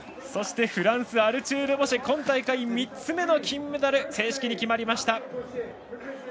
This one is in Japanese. そしてフランスのアルチュール・ボシェは今大会３つ目の金メダルが正式に決まりました。